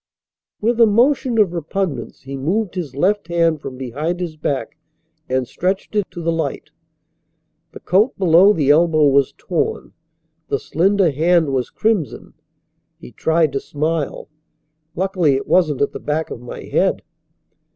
With a motion of repugnance he moved his left hand from behind his back and stretched it to the light. The coat below the elbow was torn. The slender hand was crimson. He tried to smile. "Luckily it wasn't at the back of my head."